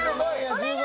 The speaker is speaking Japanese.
お願い！